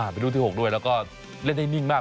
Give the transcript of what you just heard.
เป็นรุ่นที่๖ด้วยแล้วก็เล่นได้นิ่งมาก